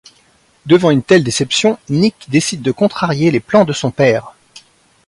Devant une telle déception, Nick décide de contrarier les plans de son père...